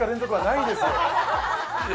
ないです